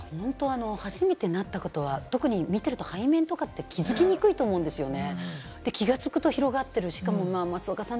初めてなった方は特に見てると背面とかって、気付きにくいと思うんですよね。